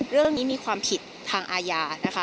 เรื่องนี้มีความผิดทางอาญานะคะ